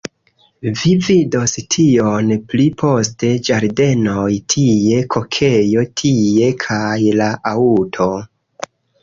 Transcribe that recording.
Vi vidos tion pli poste ĝardenoj tie, kokejo tie, kaj la aŭto...